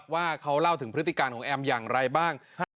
ว่าเขาเล่าถึงพฤติการของแอมอย่างไรบ้าง